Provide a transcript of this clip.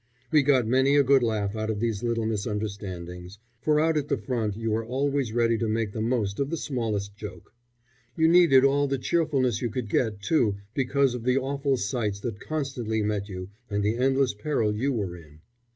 We got many a good laugh out of these little misunderstandings; for out at the front you are always ready to make the most of the smallest joke. You needed all the cheerfulness you could get, too, because of the awful sights that constantly met you and the endless peril you were in.